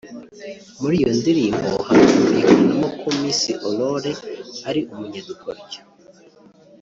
muri iyo ndirimbo hakumvikanamo ko Miss Aurore ari umunyadukoryo